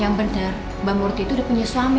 yang benar mbak murti itu udah punya suami